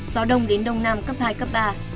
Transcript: gió đông đến đông nam cấp hai cấp ba